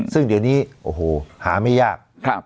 ซึ่งเดี๋ยวนี้โอ้โหหาไม่ยาก